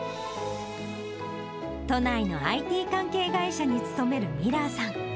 都内のＩＴ関係会社に勤めるミラーさん。